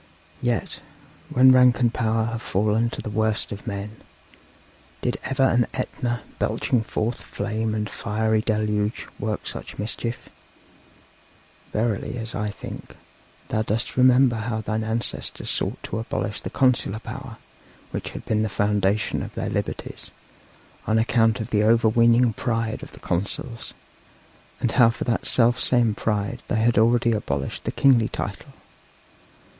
Yet, when rank and power have fallen to the worst of men, did ever an Etna, belching forth flame and fiery deluge, work such mischief? Verily, as I think, thou dost remember how thine ancestors sought to abolish the consular power, which had been the foundation of their liberties, on account of the overweening pride of the consuls, and how for that self same pride they had already abolished the kingly title!